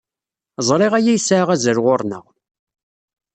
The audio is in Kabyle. Ẓriɣ aya yesɛa azal ɣur-neɣ.